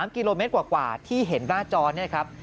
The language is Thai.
๓กิโลเมตรกว่าที่เห็นหน้าจอเนี่ยครับ